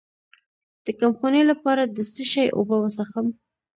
د کمخونۍ لپاره د څه شي اوبه وڅښم؟